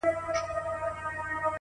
• څاڅکي څاڅکي څڅېدلې له انګوره..